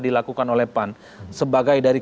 dilakukan oleh pan sebagai dari